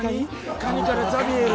「カニからザビエル」